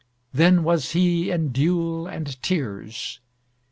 Then was he in dule and tears!